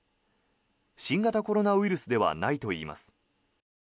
新型コロナウイルスではないといいます。